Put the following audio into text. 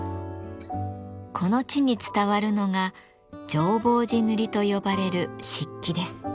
この地に伝わるのが浄法寺塗と呼ばれる漆器です。